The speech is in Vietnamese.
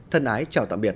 thân ái chào tạm biệt